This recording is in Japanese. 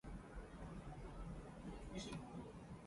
南アフリカの行政首都はプレトリアである